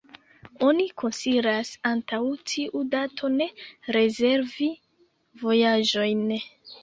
Oni konsilas antaŭ tiu dato ne rezervi vojaĝojn.